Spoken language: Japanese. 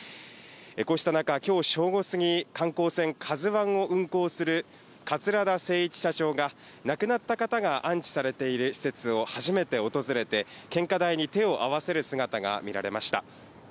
こうした中、きょう正午過ぎ、観光船、カズワンを運航する桂田精一社長が、亡くなった方が安置されている施設を初めて訪れて、献花台に手を合わせる姿が見られました。